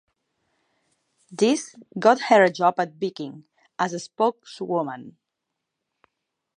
This got her a job at Viking as a spokeswoman.